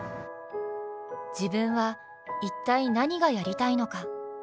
自分は一体何がやりたいのか。